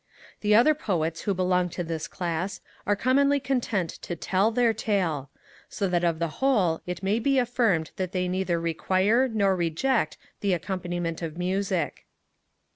The other poets who belong to this class are commonly content to tell their tale; so that of the whole it may be affirmed that they neither require nor reject the accompaniment of music.